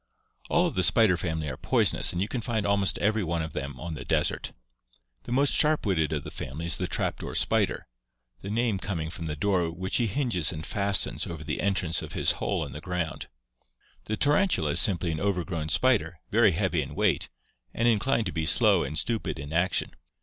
"All of the spider family are poisonous and you can find almost every one of them on the desert. The most sharp witted of the family is the trap door spider — the name coming from the door which he hinges and fastens over the entrance of his hole in the ground. The tarantula is simply an overgrown spider, very heavy in weight, and inclined to be slow and stupid in action.